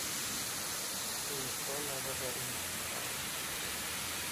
Дый ніхто новага і не чакаў.